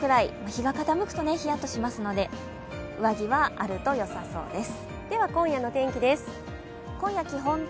日が傾くとヒヤッとしますので上着はあると良さそうです。